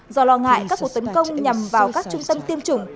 do lo ngại các cuộc tấn công nhằm vào các trung tâm tiêm chủng